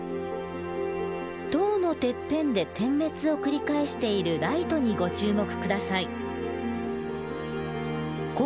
塔のてっぺんで点滅を繰り返しているライトにご注目下さい。